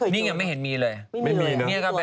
นี่ยังไม่เห็นมีเลย